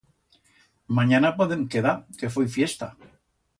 Manyana podem quedar, que foi fiesta.